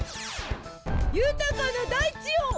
ゆたかなだいちを！